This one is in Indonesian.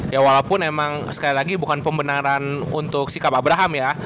ya walaupun emang sekali lagi bukan pembenaran untuk sikap abraham ya